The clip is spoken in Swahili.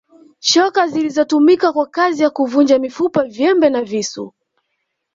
Shoka zilizotumika kwa kazi ya kuvunja mifupa nyembe na visu